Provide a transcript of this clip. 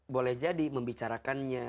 boleh jadi membicarakannya